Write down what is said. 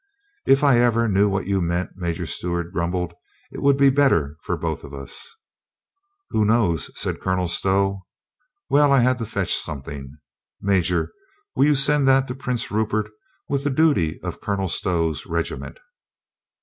"If I ever knew what you meant," Major Stew art grumbled, "it would be better for both of us." "Who knows?" said Colonel Stow. "Well, I had to fetch something. Major, will you send that to Prince Rupert with the duty of Colonel Stow's regi ment?"